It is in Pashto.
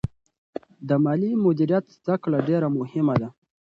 د مالي مدیریت زده کړه ډېره مهمه ده.